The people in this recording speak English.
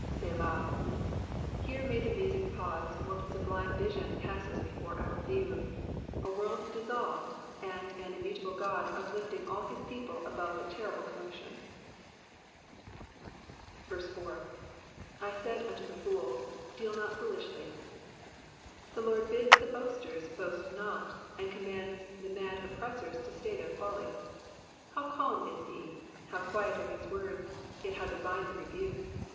*' "Setah.'' Here may the music pause while the sublime vision passes before our view ; a world dissolved and an immutable God uplifting all bis people above the terrible commotion. 4. *'/ mid vnto the fools. Deal not foolishly.'" The Lord bids the boasters boast not, and commands the mad oppressors to stay their folly. How calm is he, how quiet are his words, yet how divine the rebuke.